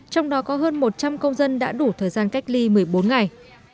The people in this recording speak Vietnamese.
trong đó có hơn một trăm linh công dân đã đủ thời gian cách ly một mươi bốn ngày